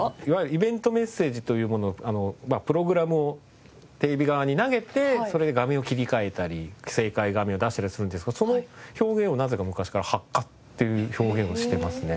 イベントメッセージというものプログラムをテレビ側に投げてそれで画面を切り替えたり正解画面を出したりするんですがその表現をなぜか昔から発火っていう表現をしていますね。